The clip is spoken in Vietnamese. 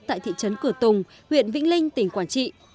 tại thị trấn cửa tùng huyện vĩnh linh tỉnh quảng trị